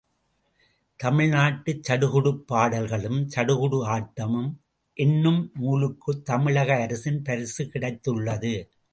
தமிழ்நாட்டுச் சடுகுடுப் பாடல்களும், சடுகுடு ஆட்டமும் என்னும் நூலுக்குத் தமிழக அரசின் பரிசு கிடைத்துள்ளது.